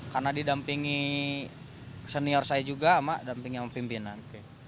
karena didampingi senior saya juga sama pimpinan